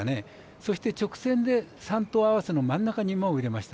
そして、直線で３頭あわせの真ん中に馬を入れました